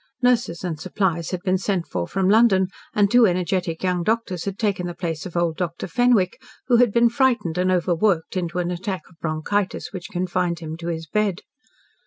Nurses and supplies had been sent for from London, and two energetic young doctors had taken the place of old Dr. Fenwick, who had been frightened and overworked into an attack of bronchitis which confined him to his bed.